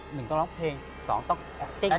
หนึ่งต้องร้องเพลงสองต้องแอคติ้ง